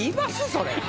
それ。